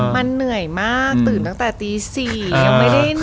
มันเหนื่อยมากตื่นตั้งแต่ตี๔ยังไม่ได้เหนื่อย